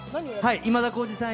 今田耕司さん